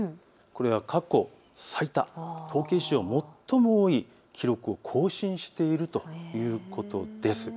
これは過去最多、統計史上最も多い記録を更新しているということです。